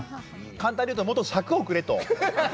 簡単に言うともっと尺をくれと。